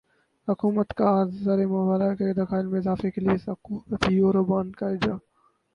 حکومت کازر مبادلہ کے ذخائر میں اضافے کےلیے سکوک یورو بانڈزکا اجراء